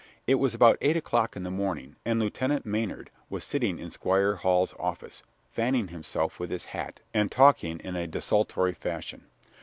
It was about eight o'clock in the morning and Lieutenant Maynard was sitting in Squire Hall's office, fanning himself with his hat and talking in a desultory fashion.